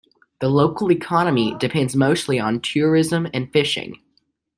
The local economy depends mostly on tourism and fishing.